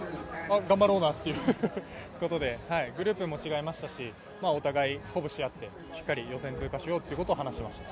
頑張ろうなっていうことでグループも違いましたしお互い、鼓舞しあってしっかり予選を通過しようということを話し合いました。